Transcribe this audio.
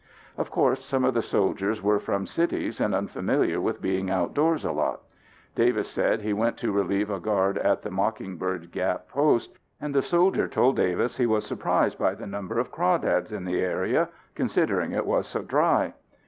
Of course, some of the soldiers were from cities and unfamiliar with being outdoors a lot. Davis said he went to relieve a guard at the Mockingbird Gap post and the soldier told Davis he was surprised by the number of "crawdads" in the area considering it was so dry.